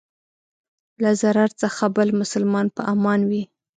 له ضرر څخه بل مسلمان په امان وي.